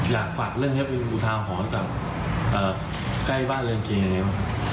อยากฝากเล่นเทศวินทรีย์บูทาหอนกับเอ่อใกล้บ้านเลือนเกงยังไงบ้าง